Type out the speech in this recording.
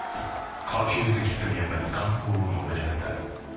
可及的すみやかに感想を述べられたい。